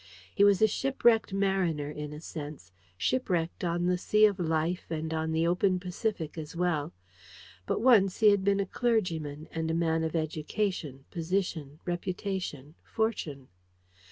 He was a shipwrecked mariner, in a sense: shipwrecked on the sea of Life and on the open Pacific as well. But once he had been a clergyman, and a man of education, position, reputation, fortune.